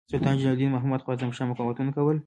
سلطان جلال الدین محمد خوارزمشاه مقاومتونه کول.